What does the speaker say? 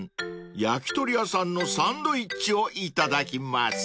焼き鳥屋さんのサンドイッチを頂きます］